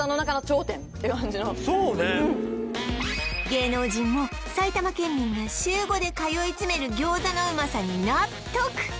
芸能人も埼玉県民が週５で通い詰める餃子のうまさに納得